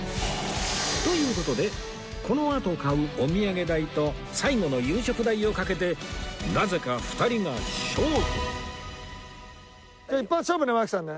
という事でこのあと買うお土産代と最後の夕食代をかけてなぜか２人が勝負じゃあ一発勝負ね槙さんね。